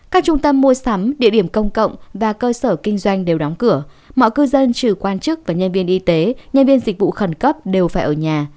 các trung tâm mua sắm địa điểm công cộng và cơ sở kinh doanh đều đóng cửa mọi cư dân trừ quan chức và nhân viên y tế nhân viên dịch vụ khẩn cấp đều phải ở nhà